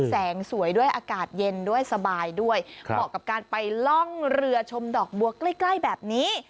แสงสวยด้วยอากาศเย็นด้วยสบายด้วยเหมาะกับการไปล่องเรือชมดอกบัวใกล้ใกล้แบบนี้